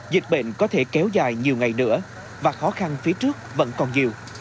dịch bệnh có thể kéo dài nhiều ngày nữa và khó khăn phía trước vẫn còn nhiều